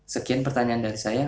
sekian pertanyaan dari saya